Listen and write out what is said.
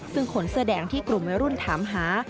ซึ่งคนเสื้อแดงที่กลุ่มวัยรุ่นถามหา